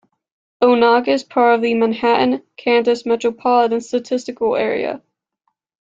Onaga is part of the Manhattan, Kansas Metropolitan Statistical Area.